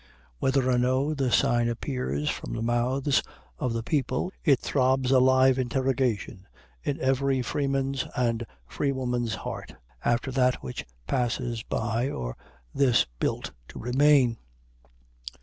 Whether or no the sign appears from the mouths of the people, it throbs a live interrogation in every freeman's and freewoman's heart, after that which passes by, or this built to remain.